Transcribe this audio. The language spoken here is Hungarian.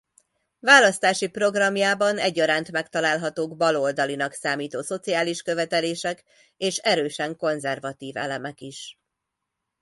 Választási programjában egyaránt megtalálhatók baloldalinak számító szociális követelések és erősen konzervatív elemek is.